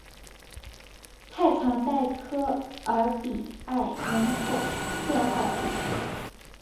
泰藏代科尔比埃人口变化图示